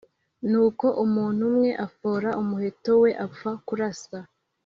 Nuko umuntu umwe afora umuheto we apfa kurasa